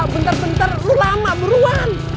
bentar bentar lu lama buruan